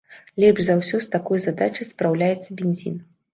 Лепш за ўсё з такой задачай спраўляецца бензін.